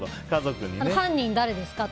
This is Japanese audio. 犯人誰ですか？